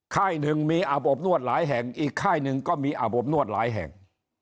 ค่ายหนึ่งมีอาบอบนวดหลายแห่งอีกค่ายหนึ่งก็มีอาบอบนวดหลายแห่ง